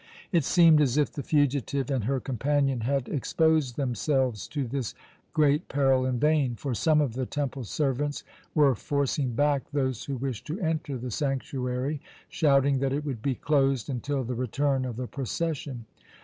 It seemed as if the fugitive and her companion had exposed themselves to this great peril in vain; for some of the temple servants were forcing back those who wished to enter the sanctuary, shouting that it would be closed until the return of the procession.